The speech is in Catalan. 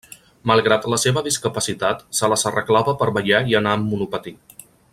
Malgrat la seva discapacitat, se les arreglava per ballar i anar amb monopatí.